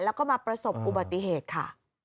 แล้วก็มาประสบอุบัติเหตุค่ะ